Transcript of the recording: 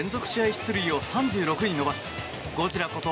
出塁を３６に伸ばしゴジラこと